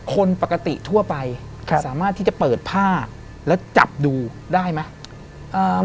คนปกติทั่วไปสามารถที่จะเปิดผ้าแล้วจับดูได้ไหม